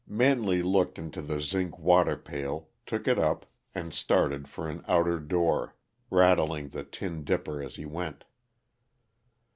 Manley looked into the zinc water pail, took it up, and started for an outer door, rattling the tin dipper as he went.